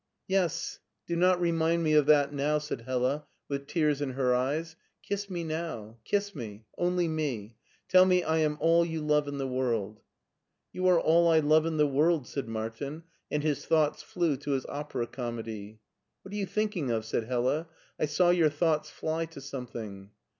'*" Yes, do not remind me of that now/' said Hella, with tears in her eyes ;" kiss me now — kiss me, only me; tell me I am all you love in the world/' " You are all I love in the world/' said Martin, and his thoughts flew to his opera comedy. "What are you thinking of?" said Hella; '*I saw your thoughts fly to something."